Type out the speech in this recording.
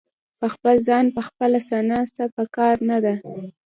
په خپل ځان خپله ثنا څه په کار نه ده.